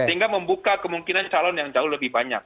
sehingga membuka kemungkinan calon yang jauh lebih banyak